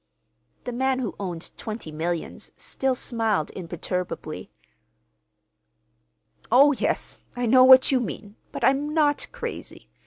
The man who owned twenty millions still smiled imperturbably. "Oh, yes, I know what you mean, but I'm not crazy.